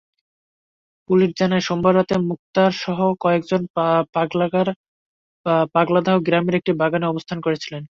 Police জানায়, সোমবার রাতে মুক্তারসহ কয়েকজন পাগলাদহ গ্রামের একটি বাগানে অবস্থান করছিলেন।